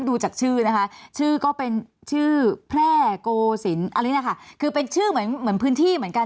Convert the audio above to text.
ดูจากชื่อนะคะชื่อก็เป็นชื่อแพร่โกสินคือเป็นชื่อเหมือนพื้นที่เหมือนกัน